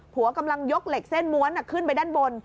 กำลังยกเหล็กเส้นม้วนขึ้นไปด้านบน